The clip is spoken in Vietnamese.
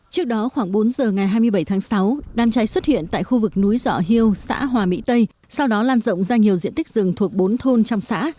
trước đó khoảng bốn giờ ngày hai mươi bảy tháng sáu đám cháy xuất hiện tại khu vực núi dọ hương xã hòa mỹ tây sau đó lan rộng ra nhiều diện tích rừng thuộc bốn thôn trong xã